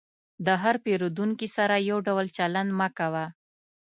د هر پیرودونکي سره یو ډول چلند مه کوه.